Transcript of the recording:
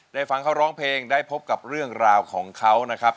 ฟังเขาร้องเพลงได้พบกับเรื่องราวของเขานะครับ